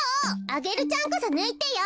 アゲルちゃんこそぬいてよ。